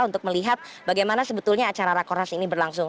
untuk melihat bagaimana sebetulnya acara rakornas ini berlangsung